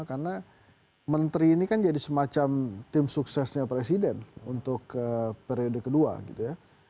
karena menteri ini kan jadi semacam tim suksesnya presiden untuk periode kedua gitu ya